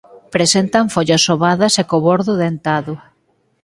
Presentan follas ovadas e co bordo dentado.